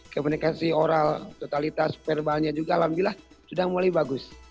komunikasi oral totalitas verbalnya juga alhamdulillah sudah mulai bagus